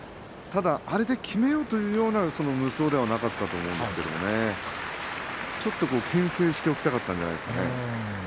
あれできめようという無双ではなかったと思いますけどねちょっとけん制しておきたかったんじゃないですか。